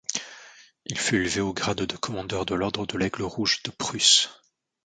Il fut élevé au grade de Commandeur de l'Ordre de l'Aigle rouge de Prusse.